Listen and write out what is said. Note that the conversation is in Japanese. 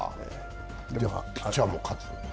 ピッチャーも喝？